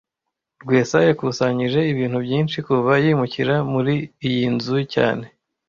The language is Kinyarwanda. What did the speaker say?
Rwesa yakusanyije ibintu byinshi kuva yimukira muri iyi nzu cyane